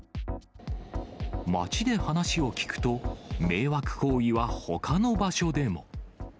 街で話を聞くと、迷惑行為はほかの場所でも。